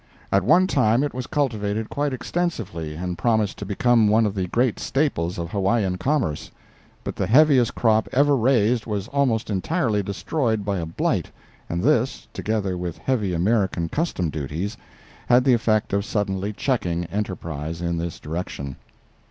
At one time it was cultivated quite extensively, and promised to become one of the great staples of Hawaiian commerce; but the heaviest crop ever raised was almost entirely destroyed by a blight, and this, together with heavy American customs duties, had the effect of suddenly checking enterprise in this direction.